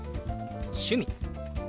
「趣味」。